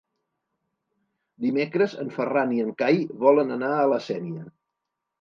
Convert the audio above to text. Dimecres en Ferran i en Cai volen anar a la Sénia.